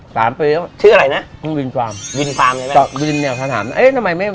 สามปีแล้วชื่ออะไรนะวินฟาร์มวินฟาร์มมึง๖๔ศาสน์เอ๊ะน้ำไมไม่